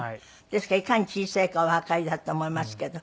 ですからいかに小さいかおわかりだと思いますけど。